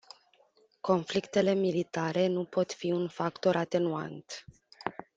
Conflictele militare nu pot fi un factor atenuant.